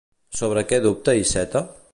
Sobre què dubta Iceta?